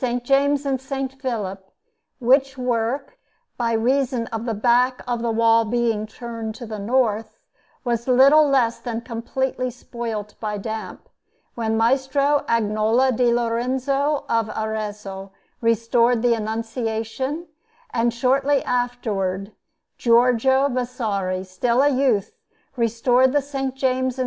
James and S. Philip; which work, by reason of the back of the wall being turned to the north, was little less than completely spoilt by damp, when Maestro Agnolo di Lorenzo of Arezzo restored the Annunciation, and shortly afterwards Giorgio Vasari, still a youth, restored the S. James and S.